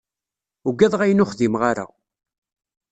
Uggadeɣ ayen ur xdimeɣ ara.